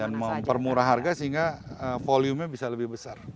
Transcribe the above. dan mempermurah harga sehingga volume nya bisa lebih besar